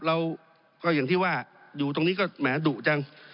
เราก็อย่างที่ว่าอยู่ตรงนี้ก็แหมดุจัง